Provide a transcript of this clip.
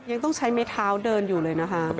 ยังต้องใช้ไม้เท้าเดินอยู่เลยนะคะ